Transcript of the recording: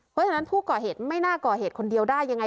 เพราะฉะนั้นผู้ก่อเหตุไม่น่าก่อเหตุคนเดียวได้ยังไง